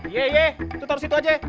iya iya tuh taruh situ aja